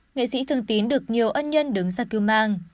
nghệ sĩ thương tín được nhiều ân nhân đứng ra cư mang